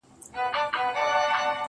هر انسان ځانګړی استعداد لري.